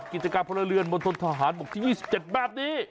กิจกรรมพลเรือนบนทนทหารปกติ๒๗แบบนี้